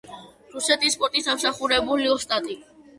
რუსეთის სპორტის დამსახურებული ოსტატი.